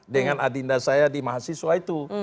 dengan adinda saya di mahasiswa itu